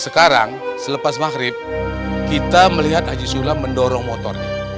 sekarang selepas makrib kita melihat haji sulam mendorong motornya